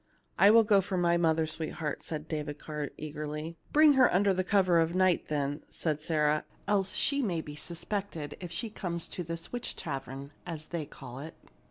"I will go for my mother, sweetheart," said David Carr, eagerly. " Bring her under cover of night, then," said Sarah; "else she may be suspected if she come to this witch tavern, as they call it.